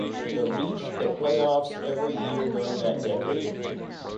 The reached the playoffs every year during that decade.